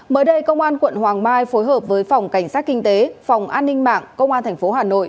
mới đây công an quận hoàng mai phối hợp với phòng cảnh sát kinh tế phòng an ninh mạng công an tp hà nội